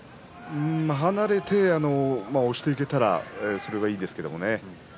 離れて押していけたらそれがいいんですけれどもね。